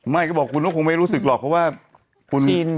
ไม่ก็บอกคุณก็คงไม่รู้สึกหรอกเพราะว่าคุณ